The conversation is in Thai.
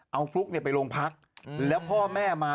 เอาฟลุ๊กไปโรงพักแล้วพ่อแม่มา